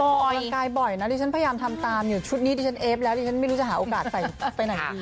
ออกกำลังกายบ่อยนะดิฉันพยายามทำตามอยู่ชุดนี้ดิฉันเอฟแล้วดิฉันไม่รู้จะหาโอกาสไปไหนดี